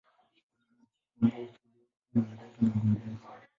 Wana machifu ambao husaidia kutoa mwongozo na uongozi.